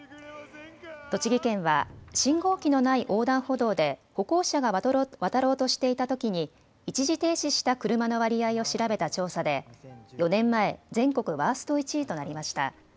栃木県は信号機のない横断歩道で歩行者が渡ろうとしていたときに一時停止した車の割合を調べた調査で４年前、全国ワースト１位となりました。